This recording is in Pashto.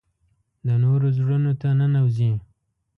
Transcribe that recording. د نورو زړونو ته ننوځي .